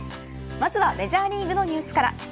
まずはメジャーリーグのニュースから。